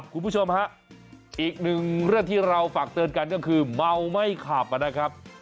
คุณผู้ชมฮะอีกหนึ่งเรื่องที่เราฝากเตือนกันก็คือเมาไม่ขับนะครับ